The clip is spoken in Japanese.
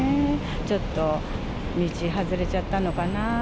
ちょっと道外れちゃったのかな。